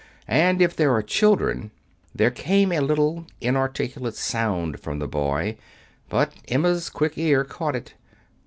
And if there are children " There came a little, inarticulate sound from the boy. But Emma's quick ear caught it.